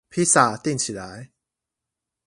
披薩訂起來